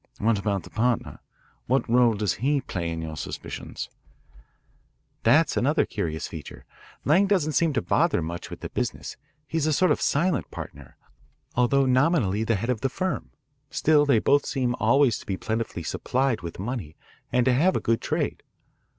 "What about the partner? What role does he play in your suspicions?" "That's another curious feature. Lang doesn't seem to bother much with the business. He is a sort of silent partner, although nominally the head of the firm. Still, they both seem always to be plentifully supplied with money and to have a good trade.